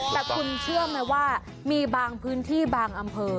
แต่คุณเชื่อไหมว่ามีบางพื้นที่บางอำเภอ